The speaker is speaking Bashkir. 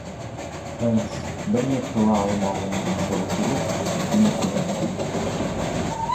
Хэндс, бер ни ҡыла алмауына асыуы килеп, мине күҙәтте.